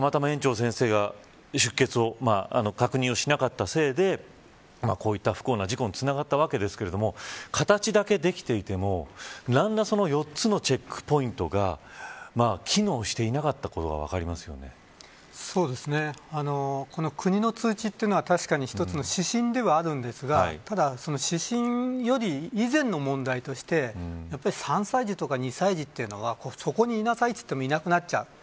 でも、その日はたまたま園長先生が出欠を確認しなかったせいでこういった不幸な事故につながったわけですが形だけできていても何ら４つのチェックポイントが機能していなかったことがこの国の通知というのは確かに１つの指針ではありますがその指針よりそれ以前の問題として３歳児や２歳児というのはそこにいなさいと言ってもいなくなってしまう。